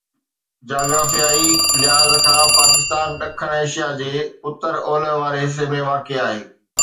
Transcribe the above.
جاگرافيائي لحاظ کان پاڪستان ڏکڻ ايشيا جي اتر اولهه واري حصي ۾ واقع آهي